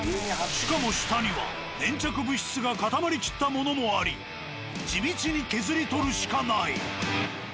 しかも下には粘着物質が固まりきったものもあり地道に削り取るしかない。